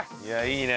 いいね！